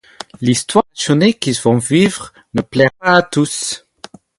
L'histoire passionnée qu'ils vont vivre ne plaira pas à tous.